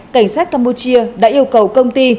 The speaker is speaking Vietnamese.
cảnh sát campuchia đã yêu cầu công ty